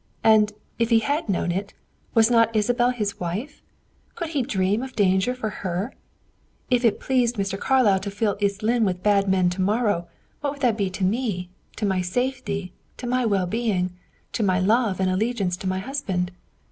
And, if he had known it, was not Isabel his wife? Could he dream of danger for her? If it pleased Mr. Carlyle to fill East Lynne with bad men to morrow, what would that be to me to my safety, to my well being, to my love and allegiance to my husband?